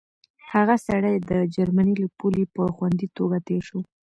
هغه سړی د جرمني له پولې په خوندي توګه تېر شو.